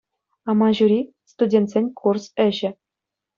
«Амаҫури» — студентсен курс ӗҫӗ.